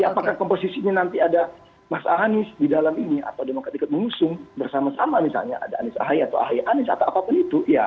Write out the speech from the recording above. ya apakah komposisinya nanti ada mas ahanis di dalam ini atau demokrat ikut mengusung bersama sama misalnya ada ahay atau ahaye anis atau apapun itu ya